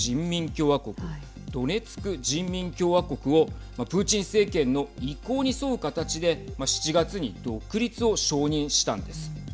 共和国ドネツク人民共和国をプーチン政権の意向に沿う形で７月に独立を承認したんです。